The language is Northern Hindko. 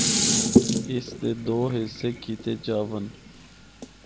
اس دے دو حصے کیتے جاون۔